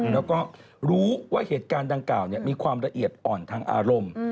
แล้วก็รู้ว่าเหตุการณ์ดังกล่าวมีความละเอียดอ่อนทางอารมณ์